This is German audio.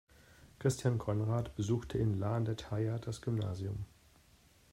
Christian Konrad besuchte in Laa an der Thaya das Gymnasium.